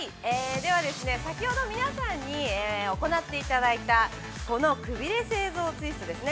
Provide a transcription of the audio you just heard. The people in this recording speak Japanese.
では、先ほど皆さんに行っていただいた、このくびれ製造ツイストですね。